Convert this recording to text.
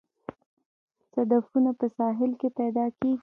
صدفونه په ساحل کې پیدا کیږي